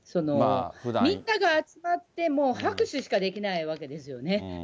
みんなが集まって、拍手しかできないわけですよね。